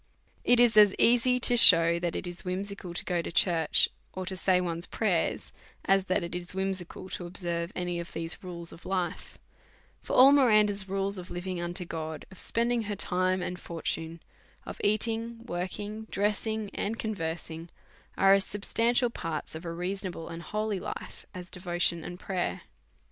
It is as easy to shew that it is whimsical to go to church, or to say one's prayers, as that it is whimsical to observe any of these rules of life ; for all Miranda's rules of living unto God, of spending her time and for tune, of eating, working, dressing, and conversing, are as substantial parts of a reasonable and holy life as de votion and prayer.